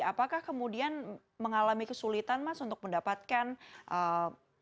apakah kemudian mengalami kesulitan mas untuk mendapatkan kebutuhan pokok misalnya